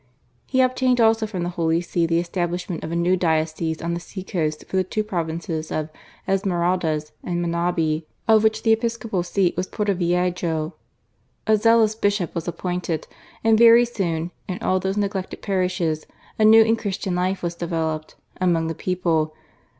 He obtained also from the Holy See the establishment of a new diocese on the sea coast for the two provinces of 4 GARCIA MORENO Esmeraldas and Manabi, of which the episcopal seat was Portoviejo, A zealous Bishop was appointed, and very soon, in all those neglected parishes, a new and Christian life was developed amouR the people.